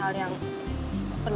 gak ada yang mau nanya